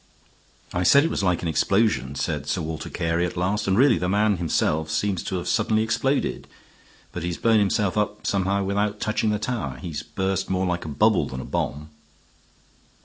"I said it was like an explosion," said Sir Walter Carey at last. "And really the man himself seems to have suddenly exploded. But he has blown himself up somehow without touching the tower. He's burst more like a bubble than a bomb."